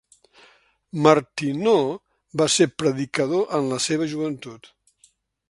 Martineau va ser predicador en la seva joventut.